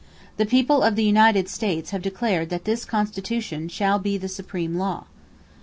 The people of the United States have declared that this Constitution shall be the supreme law."